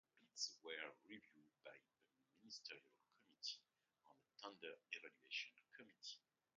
The bids were reviewed by a ministerial committee and a tender evaluation committee.